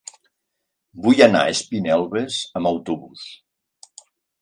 Vull anar a Espinelves amb autobús.